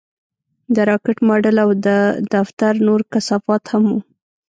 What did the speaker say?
د راکټ ماډل او د دفتر نور کثافات هم وو